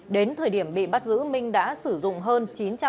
đến thời điểm bị bắt giữ minh đã sử dụng hơn chín trăm linh